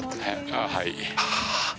ああはい。